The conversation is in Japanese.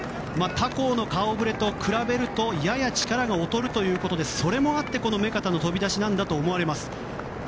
他校の顔ぶれと比べるとやや力が劣るということでそれもあって目片の飛び出しなんだと思われます。